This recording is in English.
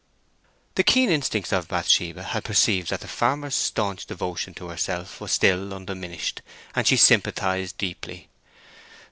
The keen instincts of Bathsheba had perceived that the farmer's staunch devotion to herself was still undiminished, and she sympathized deeply.